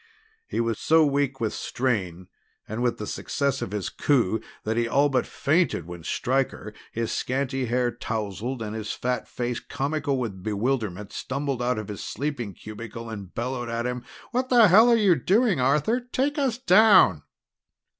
He was so weak with strain and with the success of his coup that he all but fainted when Stryker, his scanty hair tousled and his fat face comical with bewilderment, stumbled out of his sleeping cubicle and bellowed at him. "What the hell are you doing, Arthur? Take us down!"